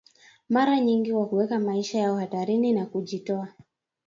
mara nyingi kwa kuweka maisha yao hatarini na kujitoa